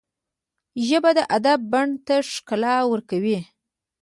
ژبه د ادب بڼ ته ښکلا ورکوي